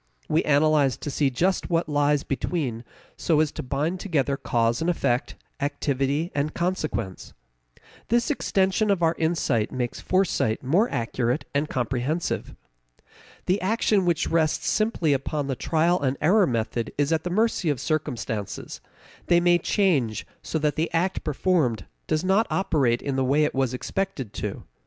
We analyze to see just what lies between so as to bind together cause and effect, activity and consequence. This extension of our insight makes foresight more accurate and comprehensive. The action which rests simply upon the trial and error method is at the mercy of circumstances; they may change so that the act performed does not operate in the way it was expected to.